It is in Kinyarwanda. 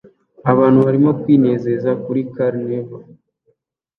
Abantu barimo kwinezeza kuri Carnival